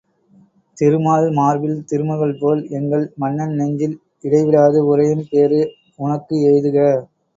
திருமால் மார்பில் திருமகள்போல் எங்கள் மன்னன் நெஞ்சில் இடை விடாது உறையும் பேறு உனக்கு எய்துக!